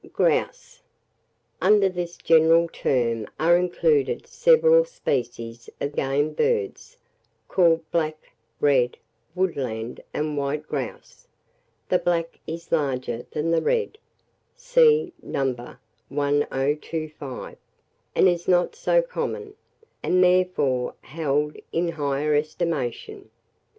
GROUSE. Under this general term are included several species of game birds, called black, red, woodland, and white grouse. The black is larger than the red (see No. 1025), and is not so common, and therefore held in higher estimation.